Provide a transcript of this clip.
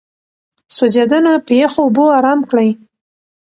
سوځېدنه په يخو اوبو آرام کړئ.